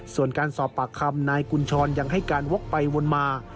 ส่วนการสอบปากคำนายกุญชรยังให้การวกไปวนมา